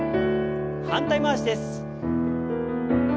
反対回しです。